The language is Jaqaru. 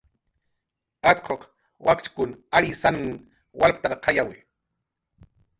Atquq wakchkun arysann walptarqayawi.